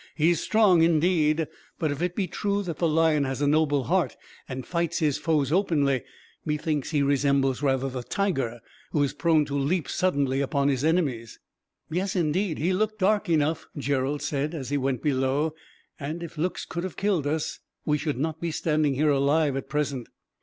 He is strong, indeed; but if it be true that the lion has a noble heart, and fights his foes openly, methinks he resembles rather the tiger, who is prone to leap suddenly upon his enemies." "Yes, indeed, he looked dark enough," Gerald said, "as he went below; and if looks could have killed us, we should not be standing here alive, at present."